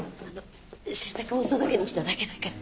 洗濯物届けに来ただけだから。